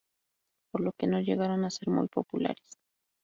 Por lo que no llegaron a ser muy populares.